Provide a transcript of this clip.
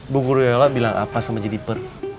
bu yola bilang apa sama jeniper